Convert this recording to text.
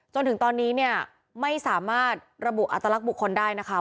จนถึงตอนนี้เนี่ยไม่สามารถระบุอัตลักษณ์บุคคลได้นะคะ